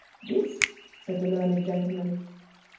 "This," said the learned gentleman.